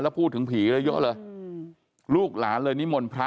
พูดถึงผีแล้วเยอะเลยลูกหลานเลยนิมนต์พระ